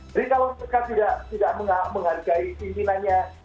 jadi kalau mereka tidak menghargai pimpinannya